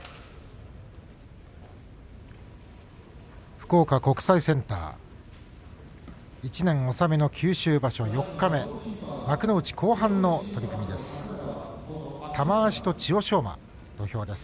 福岡国際センター１年納めの九州場所四日目幕内後半の取組です。